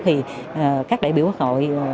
thì các đại biểu quốc hội